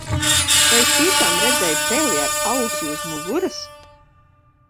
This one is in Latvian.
Vai es tiešām redzēju peli ar ausi uz muguras?